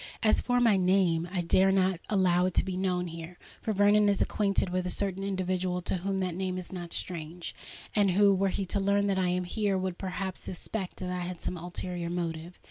As for my name—I dare not allow it to be known here; for Vernon is acquainted with a certain individual to whom that name is not strange, and who, were he to learn that I am here, would perhaps suspect that I had some ulterior motive.